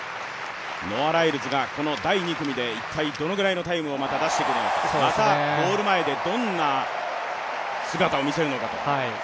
ノア・ライルズがこの第２組でどのぐらいのタイムを出してくるのかまた、ゴール前でどんな姿を見せるのかと。